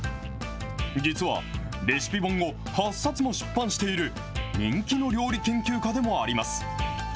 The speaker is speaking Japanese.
実は、レシピ本を８冊も出版している、人気の料理研究家でもあります。